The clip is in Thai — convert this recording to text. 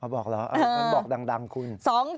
บอกเหรอมันบอกดังคุณ